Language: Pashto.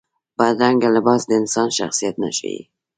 بدرنګه لباس د انسان شخصیت نه ښيي